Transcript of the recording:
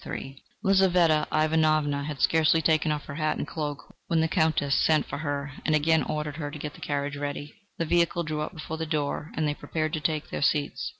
III Lizaveta Ivanovna had scarcely taken off her hat and cloak, when the Countess sent for her and again ordered her to get the carriage ready. The vehicle drew up before the door, and they prepared to take their seats.